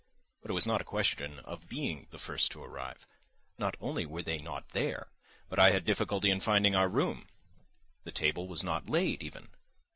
But it was not a question of being the first to arrive. Not only were they not there, but I had difficulty in finding our room. The table was not laid even.